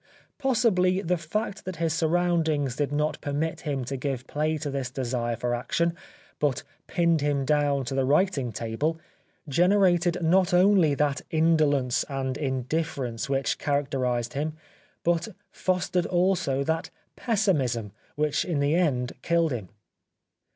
Possibly the fact that his surroundings did not permit him to give play to this desire for action, but pinned him down to the writing table, generated not only that indolence and indifference which characterised him, but fostered also that pessimism which in the end killed him.